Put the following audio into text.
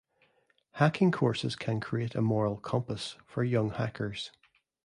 Hacking courses can create a moral compass for young hackers.